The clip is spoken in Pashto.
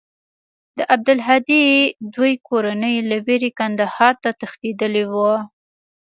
د عبدالهادي دوى کورنۍ له وېرې کندهار ته تښتېدلې وه.